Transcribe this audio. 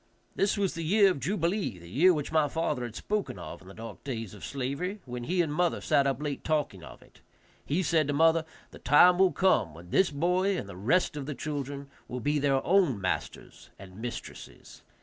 This was the year of jubilee, the year which my father had spoken of in the dark days of slavery, when he and mother sat up late talking of it. He said to mother, "The time will come when this boy and the rest of the children will be their own masters and mistresses."